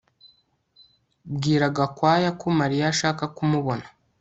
Bwira Gakwaya ko Mariya ashaka kumubona